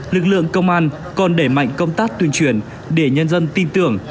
lực lượng công an còn đẩy mạnh công tác tuyên truyền để nhân dân tin tưởng